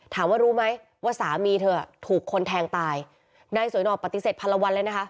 ถามว่ารู้ไหมว่าสามีเธอถูกคนแทงตายนายสวยหนอกปฏิเสธพันละวันเลยนะคะ